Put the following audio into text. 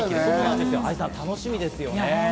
愛さん、楽しみですよね。